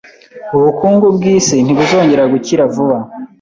Ubukungu bwisi ntibuzongera gukira vuba